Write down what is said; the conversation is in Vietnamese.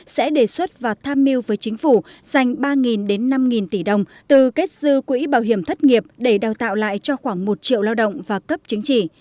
sẽ đề xuất và tham mưu với chính phủ dành ba đến năm tỷ đồng từ kết dư quỹ bảo hiểm thất nghiệp để đào tạo lại cho khoảng một triệu lao động và cấp chứng chỉ